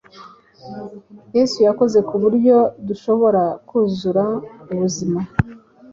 Yesu yakoze ku buryo dushobora kuzura ubuzima,